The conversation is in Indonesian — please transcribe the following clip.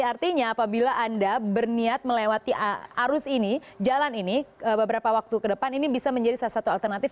jadi artinya apabila anda berniat melewati arus ini jalan ini beberapa waktu ke depan ini bisa menjadi salah satu alternatif